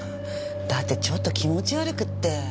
だってちょっと気持ち悪くって。